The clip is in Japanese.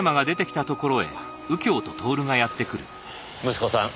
息子さん